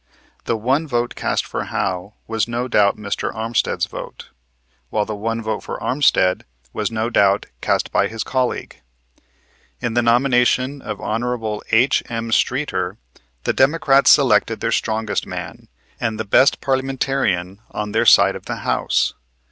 The one vote cast for Howe was no doubt Mr. Armstead's vote, while the one vote for Armstead was no doubt cast by his colleague. In the nomination of Hon. H.M. Streeter, the Democrats selected their strongest man, and the best parliamentarian on their side of the House.